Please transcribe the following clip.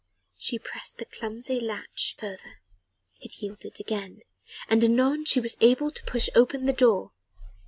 She pressed the clumsy iron latch further: it yielded again, and anon she was able to push open the door.